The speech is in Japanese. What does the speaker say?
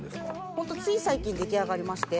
ホントつい最近出来上がりまして。